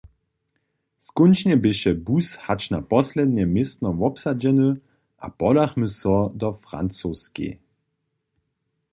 Skónčnje běše bus hač na poslednje městno wobsadźeny a podachmy so do Francoskej.